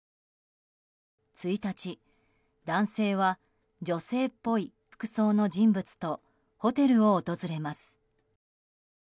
１日、男性は女性っぽい服装の人物とホテルを訪れます。